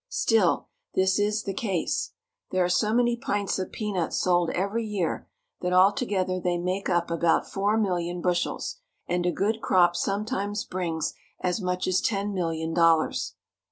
Still, this is the case. There are so many pints of peanuts sold every year that altogether they make up about four million bushels, and a good crop sometimes brings as much as ten million dollars.